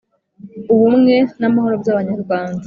ubumwe n'amahoro by'abanyarwanda.